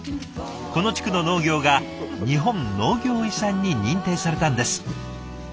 この地区の農業が日本農業遺産に認定されたんです。